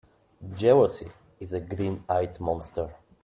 Jealousy is the green-eyed monster